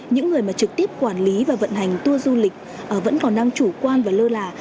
những người mà trực tiếp quản lý và vận hành tour du lịch vẫn còn đang chủ quan và lơ là